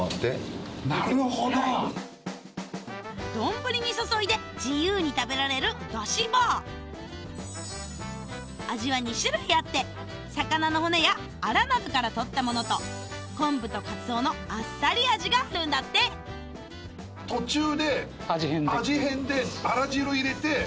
丼に注いで自由に食べられる出汁バー味は２種類あって魚の骨やアラなどから取ったものと昆布とカツオのあっさり味があるんだってそうですそうです。